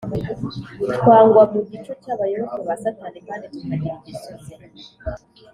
twagwa mu gico cy’abayoboke ba satani kandi tukagira ingeso ze